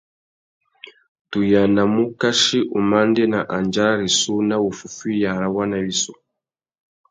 Tu yānamú ukachi umandēna andjara rissú nà wuffúffüiya râ waná wissú.